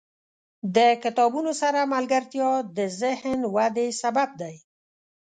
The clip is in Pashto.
• د کتابونو سره ملګرتیا، د ذهن ودې سبب دی.